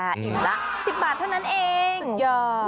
อิ่มละ๑๐บาทเท่านั้นเองสุดยอด